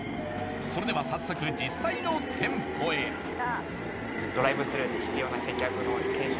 それでは早速実際の店舗へはい！